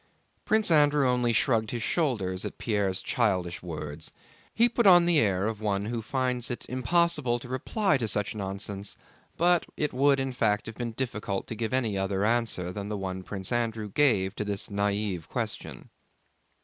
Prince Andrew only shrugged his shoulders at Pierre's childish words. He put on the air of one who finds it impossible to reply to such nonsense, but it would in fact have been difficult to give any other answer than the one Prince Andrew gave to this naïve question.